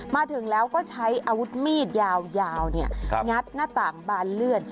มาถึงแล้วก็ใช้อาวุธมีดยาวงัดหน้าต่างบานเลื่อน